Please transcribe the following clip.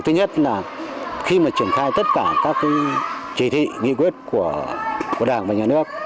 thứ nhất là khi mà triển khai tất cả các chỉ thị nghị quyết của đảng và nhà nước